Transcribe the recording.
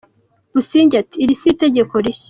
Busingye ati “iri si itegeko rishya”